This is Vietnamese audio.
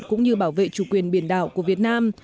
cũng như bảo vệ chủ quyền biển đảo của việt nam